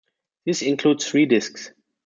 This includes three discs.